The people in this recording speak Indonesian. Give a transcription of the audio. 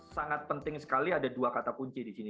sangat penting sekali ada dua kata kunci di sini